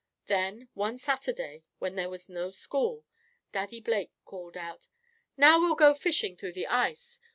Then, one Saturday, when there was no school, Daddy Blake called out: "Now we'll go fishing through the ice.